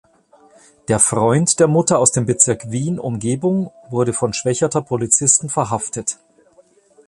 Der Freund der Mutter aus dem Bezirk Wien-Umgebung wurde von Schwechater Polizisten verhaftet.